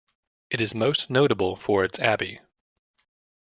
It is most notable for its abbey.